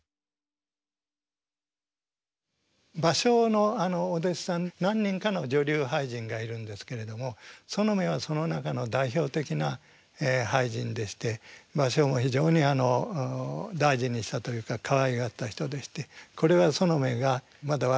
芭蕉のお弟子さん何人かの女流俳人がいるんですけれども園女はその中の代表的な俳人でして芭蕉も非常に大事にしたというかかわいがった人でしてこれは園女がまだ若い頃なんでしょうね。